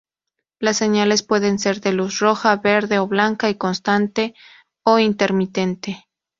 Las señales pueden ser de luz roja, verde o blanca, y constante o intermitente.